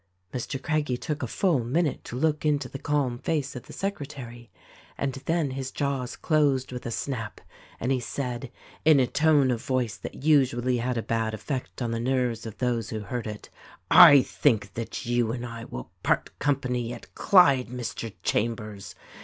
Mr. Craggie took a full minute to look into the calm face of the secretary, and then his jaws closed with a snap and he said — in a tone of voice that usually had a bad effect on the nerves of those who heard it — "I think that you and I will part company at Clyde, Mr. Chambers